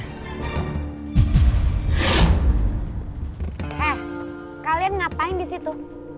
eh kalian ngapain di situ